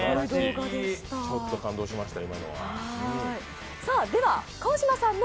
ちょっと感動しました、